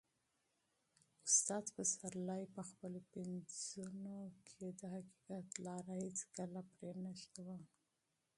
استاد پسرلي په خپلو پنځونو کې د حقیقت لاره هیڅکله پرې نه ښوده.